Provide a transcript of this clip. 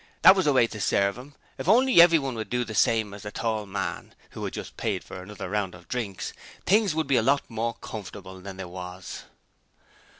That was the way to serve 'em. If only everyone would do the same as the tall man who had just paid for another round of drinks things would be a lot more comfortable than they was.